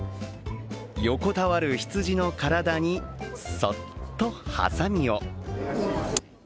横たわるひつじの体にそっとはさみを。